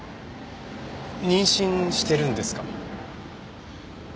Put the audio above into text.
妊娠してるんですか？